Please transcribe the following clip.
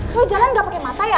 kalau jalan gak pakai mata ya